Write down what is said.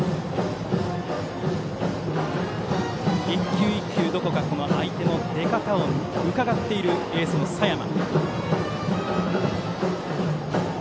１球１球相手の出方をうかがっているエースの佐山。